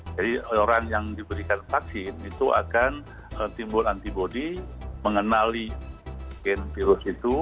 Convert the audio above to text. jadi orang yang diberikan vaksin itu akan timbul antibody mengenali virus itu